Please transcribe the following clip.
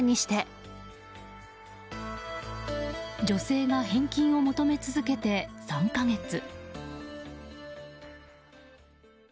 女性が返金を求め続けて３か月。